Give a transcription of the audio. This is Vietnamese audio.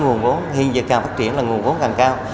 nguồn vốn hiện giờ càng phát triển là nguồn vốn càng cao